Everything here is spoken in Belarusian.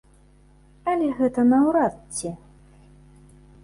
Але гэта наўрад ці!